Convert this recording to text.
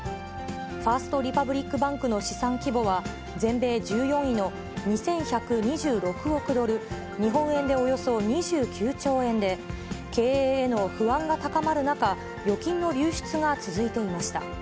ファースト・リパブリック・バンクの資産規模は、全米１４位の２１２６億ドル、日本円でおよそ２９兆円で、経営への不安が高まる中、預金の流出が続いていました。